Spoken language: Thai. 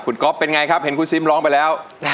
คุณก๊อฟเป็นไงครับเห็นคุณซิมร้องไปแล้ว